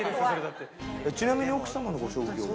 ちなみに奥様のご職業は？